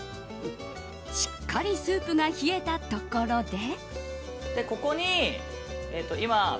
しっかりスープが冷えたところで。